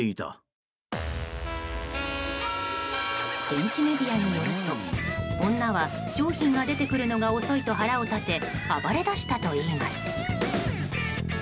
現地メディアによると女は、商品が出てくるのが遅いと腹を立て暴れだしたといいます。